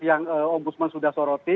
yang om busman sudah soroti